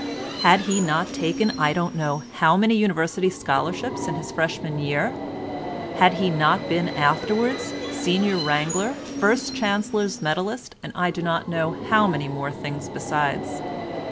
Had he not taken I don't know how many University Scholarships in his freshman's year? Had he not been afterwards Senior Wrangler, First Chancellor's Medallist and I do not know how many more things besides?